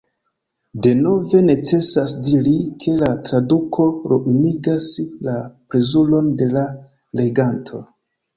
Denove necesas diri, ke la traduko ruinigas la plezuron de la leganto.